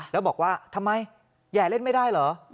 แล้วบอกว่าทำไมแห่เล่นไม่ได้เหรอ